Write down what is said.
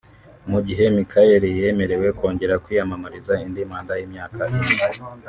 Mu gihe Michaëlle yemerewe kongera kwiyamamariza indi manda y’imyaka ine